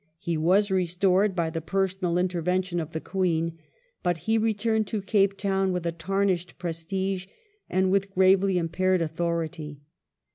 He was restored by the pei'sonal intervention of the Queen, but he returned to Cape Town with tarnished prestige, and with gravely impaired authority.